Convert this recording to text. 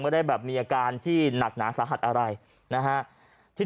ไม่ได้แบบมีอาการที่หนักหนาสาหัสอะไรนะฮะที่